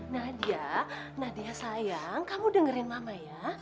nadia nadia sayang kamu dengerin mama ya